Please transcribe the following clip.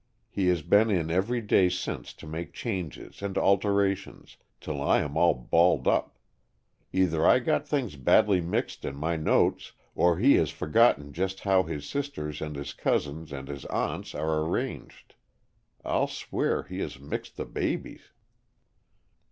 He has been in every day since to make changes and alterations, till I am all balled up. Either I got things badly mixed in my notes or he has forgotten just how his sisters and his cousins and his aunts are arranged. I'll swear he has mixed the babies."